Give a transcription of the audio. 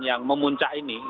yang memuncak ini